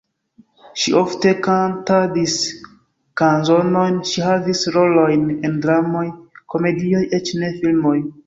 Ŝi ofte kantadis kanzonojn, ŝi havis rolojn en dramoj, komedioj, eĉ en filmoj.